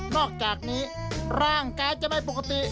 อกจากนี้ร่างกายจะไม่ปกติ